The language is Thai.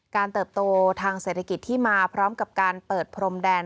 เติบโตทางเศรษฐกิจที่มาพร้อมกับการเปิดพรมแดน